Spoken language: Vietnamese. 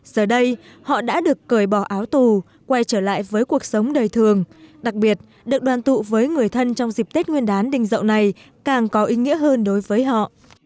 giờ đây họ đã được cởi bỏ áo tù quay trở lại với cuộc sống đời thường đặc biệt được đoàn tụ với người thân trong dịp tết nguyên đán đình dậu này càng có ý nghĩa hơn đối với họ